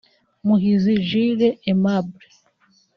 Muhizi Jules Aimable